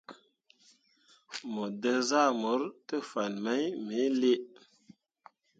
Mo dǝ zahmor te fan mai me lii.